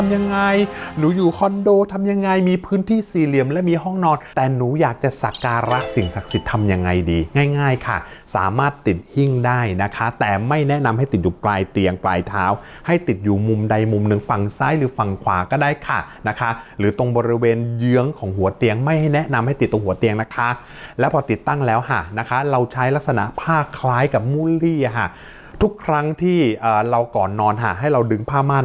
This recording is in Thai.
ยังไงดีง่ายค่ะสามารถติดหิ้งได้นะคะแต่ไม่แนะนำให้ติดอยู่ปลายเตียงปลายเท้าให้ติดอยู่มุมใดมุมหนึ่งฝั่งซ้ายหรือฝั่งขวาก็ได้ค่ะนะคะหรือตรงบริเวณเยื้องของหัวเตียงไม่ให้แนะนำให้ติดตรงหัวเตียงนะคะแล้วพอติดตั้งแล้วค่ะนะคะเราใช้ลักษณะผ้าคล้ายกับมุ่นลี่ทุกครั้งที่เราก่อนนอนให้เราดึง